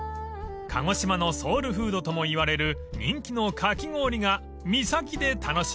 ［鹿児島のソウルフードともいわれる人気のかき氷が三崎で楽しめます］